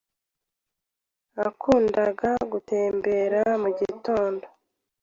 Nakundaga gutembera mugitondo.